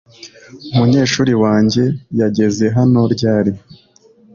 Umunyeshuri wanjye yageze hano ryari?